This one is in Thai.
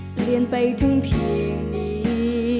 เปลี่ยนไปถึงเพียงนี้